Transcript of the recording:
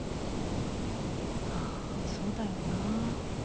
ああそうだよな。